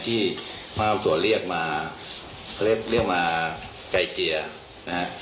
ที่พระธรรมสวนเรียกมาเขาเรียกเรียกมาไกลเกลี่ยนะฮะ